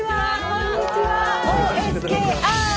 こんにちは。